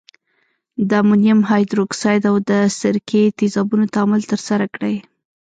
د امونیم هایدورکساید او د سرکې تیزابو تعامل ترسره کړئ.